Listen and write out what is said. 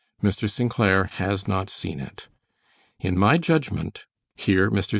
Mr. St. Clair has not seen it. In my judgment " here Mr. St.